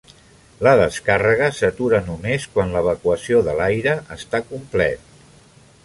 La descàrrega s'atura només quan l'evacuació de l'aire està complet.